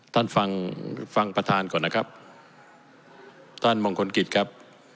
ท่านฟังฟังประธานก่อนนะครับท่านมงคลกิจครับ